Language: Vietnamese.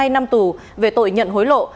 một mươi hai năm tù về tội nhận hối lộ